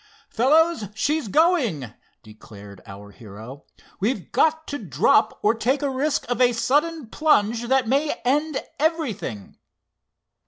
"Fellows, she's going!" declared our hero. "We've got to drop or take a risk of a sudden plunge that may end everything."